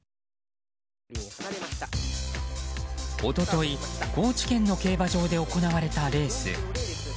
一昨日高知県の競馬場で行われたレース。